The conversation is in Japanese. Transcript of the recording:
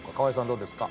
どうですか？